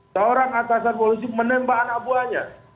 seorang atasan polisi menembak anak buahnya